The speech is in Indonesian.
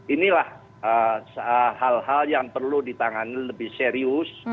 inilah hal hal yang perlu ditangani lebih serius